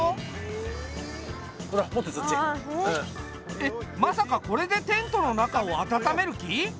えっまさかこれでテントの中を温める気？